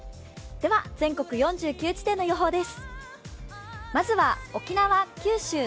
全国４９地点の予報です。